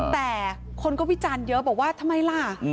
แต่คนก็วิจารณ์เยอะบอกว่าทำไมล่ะ